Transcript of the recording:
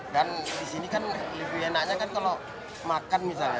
dan di sini kan lebih enaknya kan kalau makan misalnya